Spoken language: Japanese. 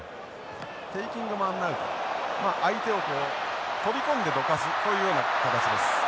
テイキングマンアウト相手を飛び込んでどかすこういうような形です。